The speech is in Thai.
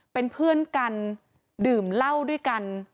เป็นเพื่อนกันดื่มเหล้าด้วยกัน